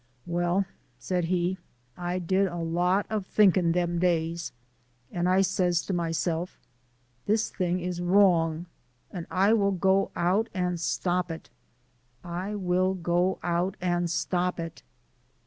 "Well," said he, "I did a lot of thinking them days, and I says to myself: 'This thing is wrong, and I will go out and stop it I will go out and stop it.'"